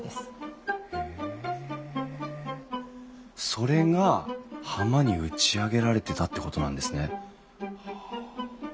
それが浜に打ち上げられてたってことなんですね。